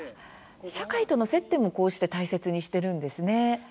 社会との接点もこうして大切にしているんですね。